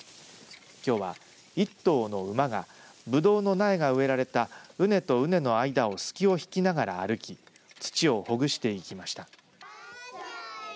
きょうは１頭の馬が、ぶどうの苗が植えられた畝と畝の間をすきを引きながら歩き土をほぐしていきました。